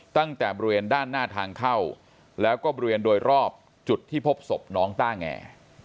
ตั้งแต่บริเวณด้านหน้าทางเข้าแล้วก็บริเวณโดยรอบจุดที่พบศพน้องต้าแง